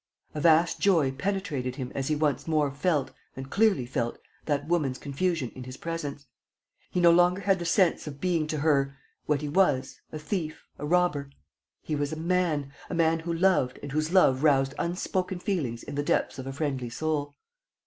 A vast joy penetrated him as he once more felt, and clearly felt, that woman's confusion in his presence. He no longer had the sense of being to her ... what he was, a thief, a robber; he was a man, a man who loved and whose love roused unspoken feelings in the depths of a friendly soul.